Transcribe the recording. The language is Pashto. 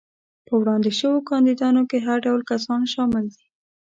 په وړاندې شوو کاندیدانو کې هر ډول کسان شامل دي.